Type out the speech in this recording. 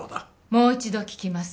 もう一度聞きます。